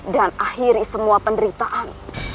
dan akhiri semua penderitaan